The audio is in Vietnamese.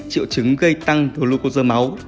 triệu chứng gây tăng glucosa máu